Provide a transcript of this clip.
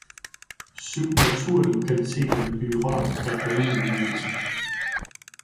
Syv naturlokaliteter vil blive berørt af baneudvidelsen.